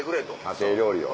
家庭料理を。